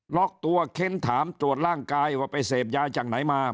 ล็อกตัวเค้นถามตรวจร่างกายว่าไปเสพยาจากไหนมา